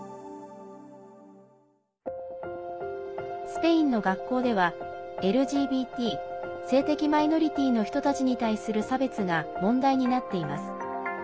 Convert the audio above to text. スペインの学校では、ＬＧＢＴ性的マイノリティーの人たちに対する差別が問題になっています。